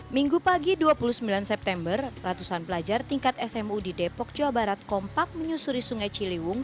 minggu pagi dua puluh sembilan september ratusan pelajar tingkat smu di depok jawa barat kompak menyusuri sungai ciliwung